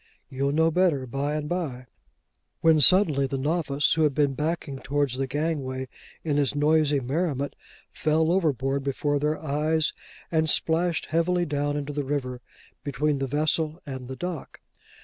you'll know better by and by:' when suddenly the novice, who had been backing towards the gangway in his noisy merriment, fell overboard before their eyes, and splashed heavily down into the river between the vessel and the dock.